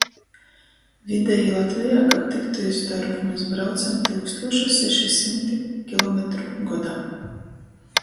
Videji Latvejā, kab tyktu iz dorbu, mes braucam tyukstūša seši symti kilometru godā.